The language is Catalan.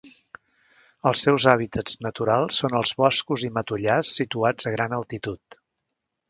Els seus hàbitats naturals són els boscos i matollars situats a gran altitud.